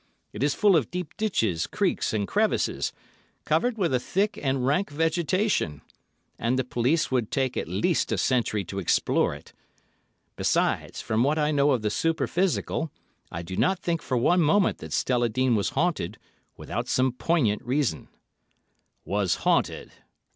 It is full of deep ditches, creeks, and crevices, covered with a thick and rank vegetation, and the police would take at least a century to explore it. Besides, from what I know of the super physical I do not think for one moment that Stella Dean was haunted without some poignant reason." "Was haunted!"